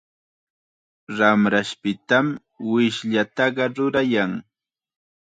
Ramrashpitam wishllataqa rurayan.